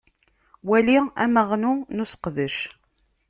Wali amaɣnu n useqdac:.